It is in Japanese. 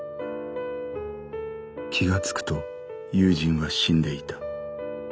気がつくと友人は死んでいた。